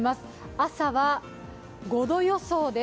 朝は５度予想です。